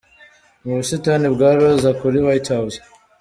Mu busitani bwa Roza kuri White House.